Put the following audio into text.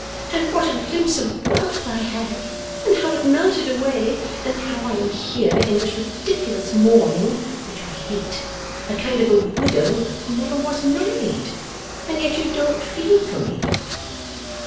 'and what a glimpse of wealth I had, and how it melted away, and how I am here in this ridiculous mourning which I hate! a kind of a widow who never was married. And yet you don't feel for me.